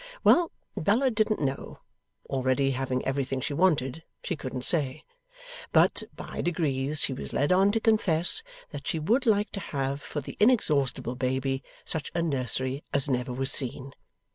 Well! Bella didn't know: already having everything she wanted, she couldn't say. But, by degrees she was led on to confess that she would like to have for the inexhaustible baby such a nursery as never was seen.